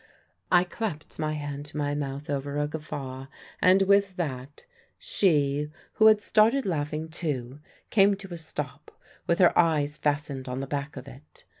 I clapped my hand to my mouth over a guffaw; and, with that, She who had started laughing too came to a stop, with her eyes fastened on the back of it.